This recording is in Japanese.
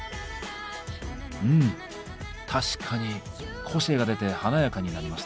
うん確かに個性が出て華やかになりますね。